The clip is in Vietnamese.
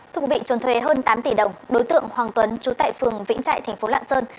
thưa quý vị trốn thuê hơn tám tỷ đồng đối tượng hoàng tuấn chú tại phường vĩnh trại tp lạng sơn